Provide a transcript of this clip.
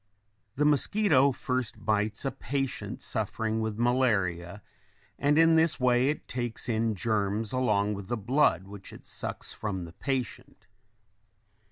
The mosquito first bites a patient suffering with malaria and in this way it takes in germs along with the blood which it sucks from the patient.